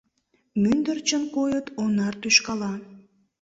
Мӱндырчын койыт Онар тӱшкала